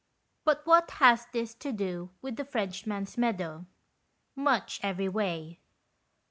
But what has this to do with the French man's Meadow ? Much every way.